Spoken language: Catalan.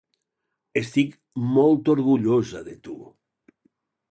Estic molt orgullosa de tu.